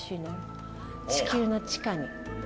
地球の地下に。